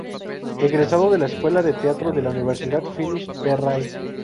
Egresado de la Escuela de Teatro de la Universidad Finis Terrae.